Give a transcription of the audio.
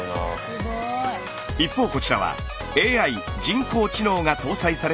一方こちらは「ＡＩ」人工知能が搭載された洗濯機。